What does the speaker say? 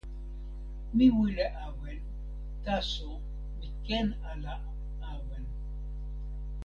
mi wile awen, taso mi ken ala awen.